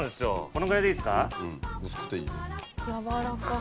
このぐらいでいいですか？